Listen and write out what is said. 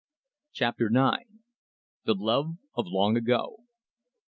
CHAPTER NINE. THE LOVE OF LONG AGO.